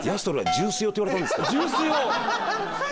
ジュース用！